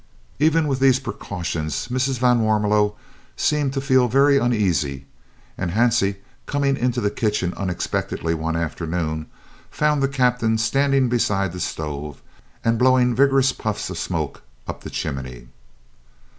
Even with these precautions Mrs. van Warmelo seemed to feel very uneasy, and Hansie coming into the kitchen unexpectedly one afternoon, found the Captain standing beside the stove and blowing vigorous puffs of smoke up the chimney!